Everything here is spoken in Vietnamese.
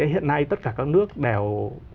hiện nay tất cả các nước đều